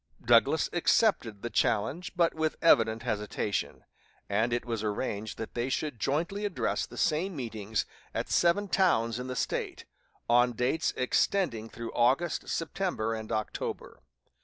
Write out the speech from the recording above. Douglas accepted the challenge, but with evident hesitation; and it was arranged that they should jointly address the same meetings at seven towns in the State, on dates extending through August, September, and October.